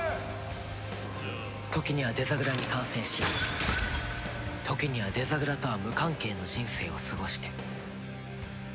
時にはデザグラに参戦し時にはデザグラとは無関係の人生を過ごして。